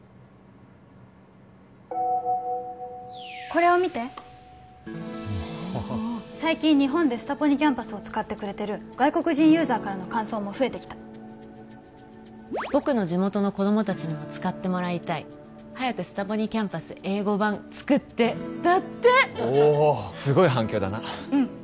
これを見てうっははっ最近日本でスタポニキャンパスを使ってくれてる外国人ユーザーからの感想も増えてきた「僕の地元の子供達にも使ってもらいたい」「早くスタポニキャンパス英語版作って」だっておおすごい反響だなうん